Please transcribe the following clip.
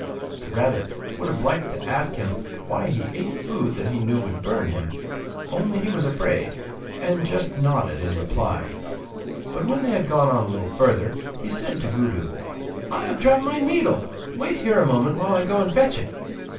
The rabbit would have liked to ask him why he ate food that he knew would burn him, only he was afraid, and just nodded in reply; but when they had gone on a little further, he said to Gudu: 'I have dropped my needle; wait here a moment while I go and fetch it.